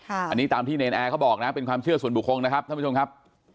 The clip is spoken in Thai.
อันนี้ตามที่เนรนแอร์เขาบอกนะเป็นความเชื่อส่วนบุคคลนะครับท่านผู้ชมครับ